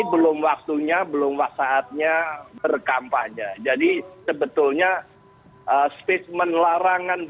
ketua dpp pdi perjuangan